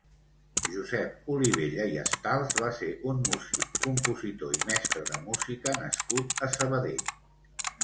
Josep Olivella i Astals va ser un músic, compositor i mestre de música nascut a Sabadell.